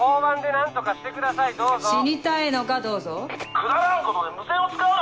くだらんことで無線を使うな！